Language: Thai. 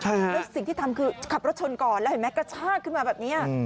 แล้วสิ่งที่ทำคือขับรถชนก่อนแล้วเห็นไหมกระชากขึ้นมาแบบนี้